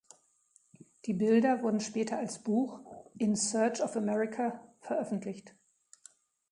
Die Bilder wurden später als Buch "In search of America" veröffentlicht.